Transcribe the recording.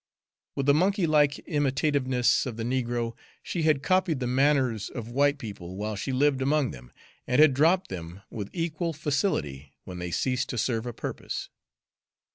With the monkey like imitativeness of the negro she had copied the manners of white people while she lived among them, and had dropped them with equal facility when they ceased to serve a purpose.